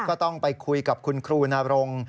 ก็ต้องไปคุยกับคุณครูนรง